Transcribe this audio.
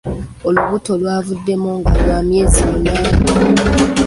Olubuto lwavuddemu nga lwa myezi munaana.